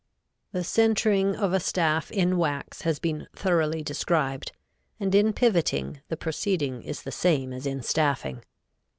_] The centering of a staff in wax has been thoroughly described and in pivoting the proceeding is the same as in staffing.